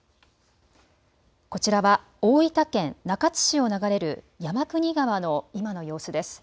こちらは大分県中津市を流れる山国川の今の様子です。